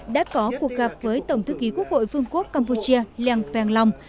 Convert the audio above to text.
đã có cuộc gặp với tổng thư ký quốc hội vương quốc campuchia leng pèng long